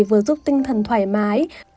vừa giúp tinh thần thoải mái